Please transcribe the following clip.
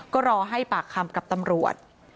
ก็รอให้ปากคำกับตำรวจ